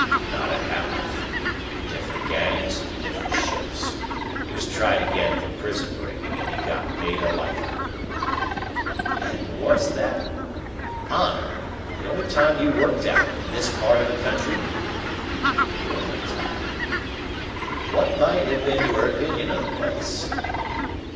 "Not a ha'porth. Different gangs and different ships. He was tried again for prison breaking, and got made a Lifer." "And was that—Honour!—the only time you worked out, in this part of the country?" "The only time." "What might have been your opinion of the place?"